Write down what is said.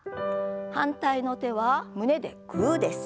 反対の手は胸でグーです。